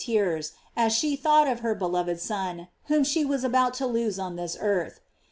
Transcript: tears, as she thought of her beloved Son whom Fhe was about to lose on this earth.